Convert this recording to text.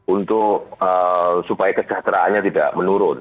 untuk supaya kesejahteraannya tidak menurun